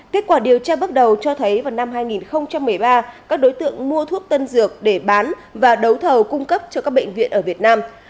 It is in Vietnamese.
kết quả điều tra bước đầu cho thấy vào năm hai nghìn một mươi ba các đối tượng mua thuốc tân dược để bán và đấu thầu cung cấp cho các bệnh viện ở việt nam